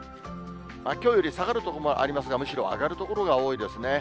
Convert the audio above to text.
きょうより下がる所もありますが、むしろ上がる所が多いですね。